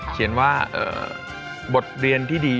เห็นลุกเลยครับนี่